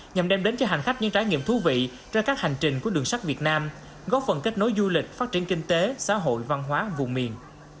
nhằm đem đến cho hành khách những trải nghiệm thú vị trên các hành trình của đường sắt việt nam góp phần kết nối du lịch phát triển kinh tế xã hội văn hóa vùng miền